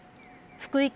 福井県